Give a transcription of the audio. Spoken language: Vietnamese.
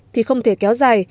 thì không thể kéo dài